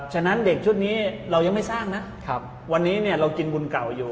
ฉะนั้นเด็กชุดนี้เรายังไม่สร้างนะวันนี้เรากินบุญเก่าอยู่